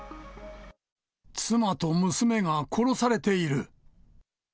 妻と娘が殺されている。